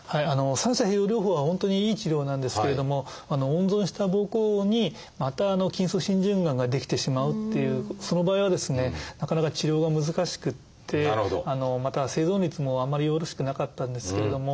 三者併用療法は本当にいい治療なんですけれども温存した膀胱にまた筋層浸潤がんが出来てしまうっていうその場合はですねなかなか治療が難しくってまた生存率もあんまりよろしくなかったんですけれども。